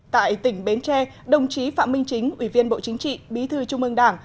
tại tỉnh bến tre đồng chí phạm minh chính ủy viên bộ chính trị bí thư trung ương đảng